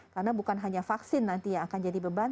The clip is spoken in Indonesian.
karena bukan hanya vaksin nanti yang akan jadi beban